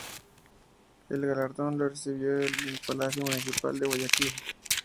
El galardón lo recibió en el Palacio Municipal, en Guayaquil.